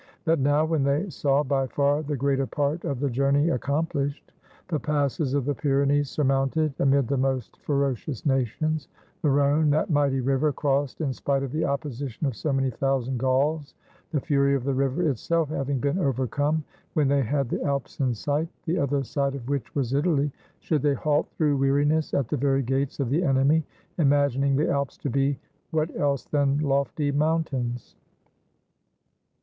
That now, when they saw by far the greater part of the journey accomplished, the passes of the Pyrenees sur mounted, amid the most ferocious nations, the Rhone, that mighty river, crossed, in spite of the opposition of so many thousand Gauls, the fury of the river itself hav ing been overcome, when they had the Alps in sight, the other side of which was Italy, should they halt through weariness at the very gates of the enemy, imagining the Alps to be — what else than lofty mountains?